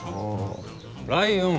ライオン。